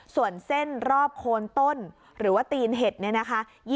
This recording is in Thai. ส่วนเส้นรอบโคนต้นหรือว่าตีนเห็ดเนี่ยนะคะ